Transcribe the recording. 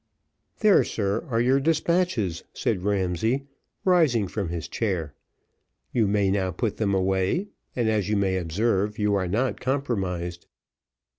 "There, sir, are your despatches," said Ramsay, rising from his chair: "you may now put them away; and, as you may observe, you are not compromised."